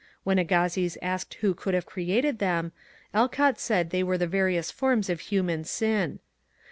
When Agassiz asked who could have cre ated them, Alcott said they were the various forms of human sin.